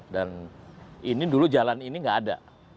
dan ini dulu jalan ini gak ada